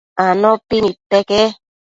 Anopi nidpeque